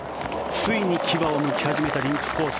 ついに牙をむき始めたリンクスコース。